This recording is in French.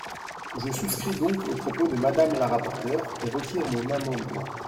Je souscris donc aux propos de Madame la rapporteure, et retire mon amendement.